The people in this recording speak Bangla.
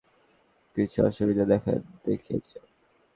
কিছু অসুবিধা দেখা দেখিয়েছে।